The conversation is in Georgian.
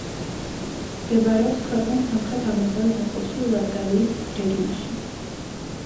მდებარეობს ქვეყნის სამხრეთ-აღმოსავლეთ ნაწილში, ლატგალიის რეგიონში.